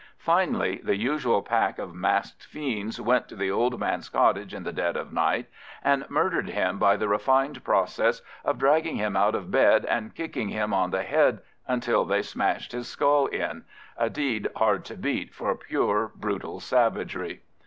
Finally, the usual pack of masked fiends went to the old man's cottage in the dead of night, and murdered him by the refined process of dragging him out of bed and kicking him on the head until they smashed his skull in—a deed hard to beat for pure brutal savagery.